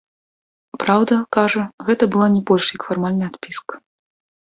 Праўда, кажа, гэта была не больш, як фармальная адпіска.